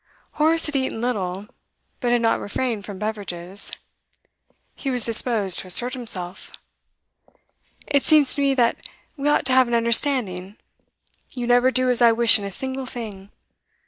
Horace had eaten little, but had not refrained from beverages; he was disposed to assert himself. 'It seems to me that we ought to have an understanding. You never do as I wish in a single thing.